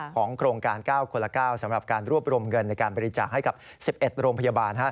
โครงการ๙คนละ๙สำหรับการรวบรวมเงินในการบริจาคให้กับ๑๑โรงพยาบาล